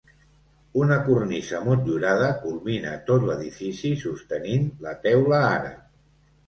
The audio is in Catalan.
Una cornisa motllurada culmina tot l'edifici sostenint la teula àrab.